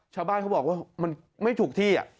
ชาวบ้านเขาบอกว่ามันไม่ถูกที่